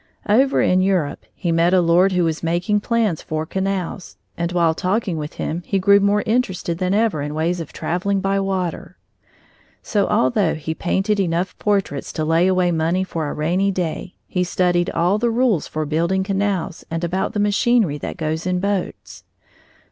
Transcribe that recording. Over in Europe he met a lord who was making plans for canals, and while talking with him he grew more interested than ever in ways of traveling by water. So although he painted enough portraits to lay away money for a rainy day, he studied all the rules for building canals and about the machinery that goes in boats.